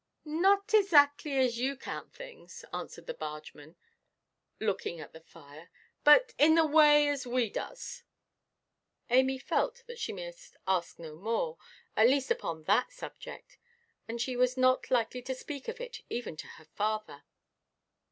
"Not ezackly as you counts things," answered the bargeman, looking at the fire; "but in the way as we does." Amy felt that she must ask no more, at least upon that subject; and that she was not likely to speak of it even to her father.